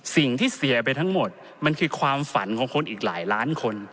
สิ่งที่เสียไปทั้งหมดมันคือความฝันของคนอีกหลายล้านคน